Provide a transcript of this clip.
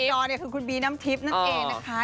พี่ป้องตอบคือคุณบีน้ำทิพย์นั่นเองนะคะ